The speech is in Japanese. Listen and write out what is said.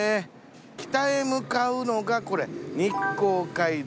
北へ向かうのがこれ日光街道。